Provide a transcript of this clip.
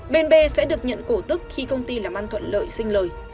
bên b sẽ được nhận cổ tức khi công ty làm ăn thuận lợi sinh lời